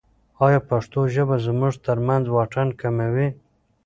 ایا پښتو ژبه زموږ ترمنځ واټن کموي؟